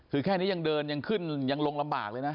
คือแค่นี้ยังเดินยังขึ้นยังลงลำบากเลยนะ